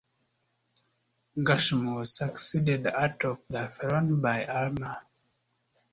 Gersem was succeeded atop the throne by Armah.